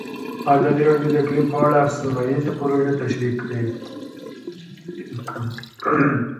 ازادي راډیو د اقلیم په اړه سیمه ییزې پروژې تشریح کړې.